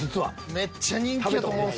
めっちゃ人気やと。